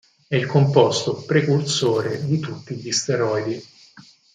È il composto precursore di tutti gli steroidi.